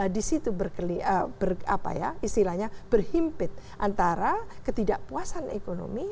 di situ istilahnya berhimpit antara ketidakpuasan ekonomi